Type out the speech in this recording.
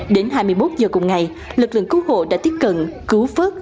đến hai mươi một giờ cùng ngày lực lượng cứu hộ đã tiếp cận cứu phớt